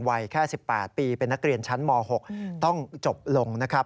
วัยแค่๑๘ปีเป็นนักเรียนชั้นม๖ต้องจบลงนะครับ